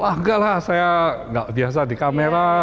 enggak lah saya nggak biasa di kamera